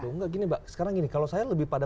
enggak gini mbak sekarang gini kalau saya lebih pada